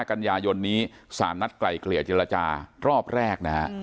กันยายนนี้สารนัดไกลเกลี่ยเจรจารอบแรกนะฮะ